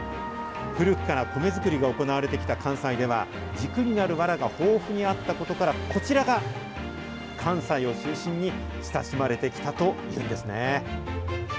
古くからコメ作りが行われてきた関西では、軸になるわらが豊富にあったことから、こちらが関西を中心に親しまれてきたというんですね。